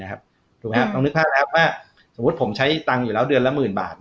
กลางนึกภาพแหละสมมติผมใช้ตังค์อยู่แล้วเดือนละ๑๐๐๐๐บาท